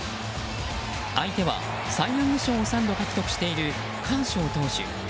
相手はサイ・ヤング賞を３度獲得しているカーショー投手。